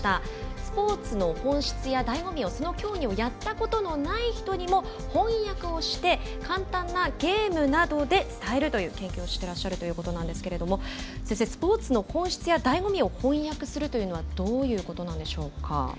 スポーツの本質やだいご味をその競技をやったことがない人にも翻訳をして、簡単なゲームなどで伝えるという研究をしていらっしゃるということですが先生、スポーツの本質やだいご味を翻訳するってどういうことでしょうか。